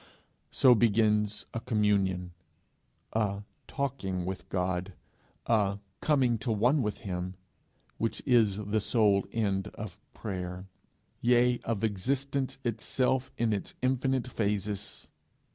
So begins a communion, a talking with God, a coming to one with him, which is the sole end of prayer, yea, of existence itself in its infinite phases.